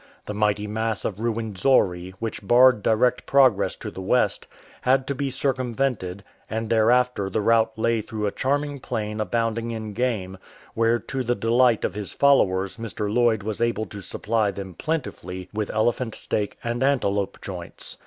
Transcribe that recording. The mighty mass of Ruwenzori, which barred direct progress to the west, had to be circumvented, and there after the route lay through a charming plain abounding in game, where to the delight of his followers Mr. Lloyd was able to supply them plentifully with elephant steak and antelope joints.